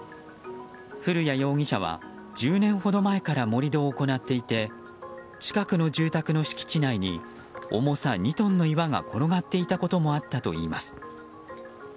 古屋容疑者は１０年ほど前から盛り土を行っていて近くの住宅の敷地内に重さ２トンの岩が転がっていたこともあったといいます。